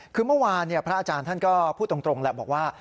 คือเมื่อวานพระอาจารย์ท่านก็พูดตรงแหละบอกว่า